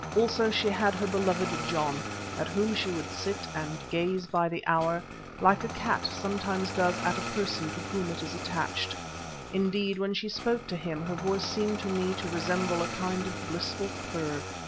Also she had her beloved John, at whom she would sit and gaze by the hour like a cat sometimes does at a person to whom it is attached. Indeed, when she spoke to him, her voice seemed to me to resemble a kind of blissful purr.